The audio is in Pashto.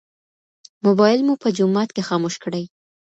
موبایل مو په جومات کې خاموش کړئ.